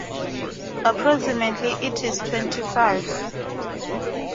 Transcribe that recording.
Approximately it is twenty five.